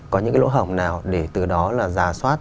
có những cái lỗ hồng nào để từ đó là giả soát